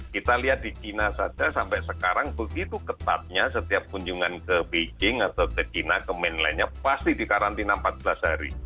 kita lihat di china saja sampai sekarang begitu ketatnya setiap kunjungan ke beijing atau ke china ke mainland nya pasti dikarantina empat belas hari